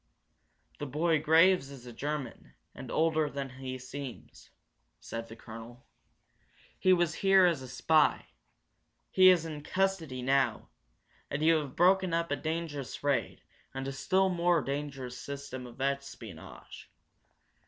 "The boy Graves is a German, and older than he seems," said the colonel. "He was here as a spy. He is in custody now, and you have broken up a dangerous raid and a still more dangerous system of espionage.